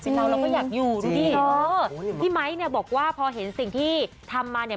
เราเราก็อยากอยู่ดูดิเออพี่ไมค์เนี่ยบอกว่าพอเห็นสิ่งที่ทำมาเนี่ย